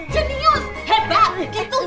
kamu itu anak pinter